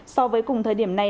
so với cùng thời điểm này